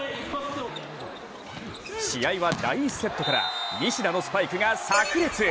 試合は第１セットから西田のスパイクがさく裂。